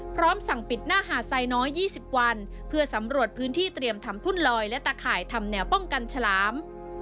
พร้อมสั่งปิดหน้าหาดไซน้อย๒๐วันเพื่อสำรวจพื้นที่เตรียมทำทุ่นลอยและตะข่ายทำแนวป้องกันฉลาม